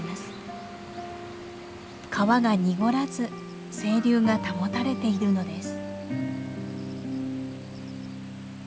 川が濁らず清流が保たれているのです。